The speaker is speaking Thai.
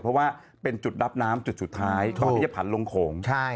เพราะว่าเป็นจุดรับน้ำจุดสุดท้ายก่อนที่จะผันลงโขง